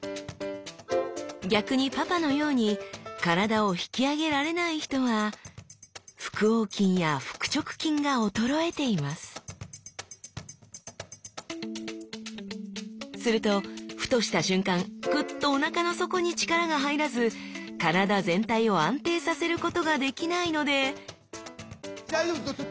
逆にパパのように体を引き上げられない人は腹横筋や腹直筋が衰えていますするとふとした瞬間グッとおなかの底に力が入らず体全体を安定させることができないので大丈夫？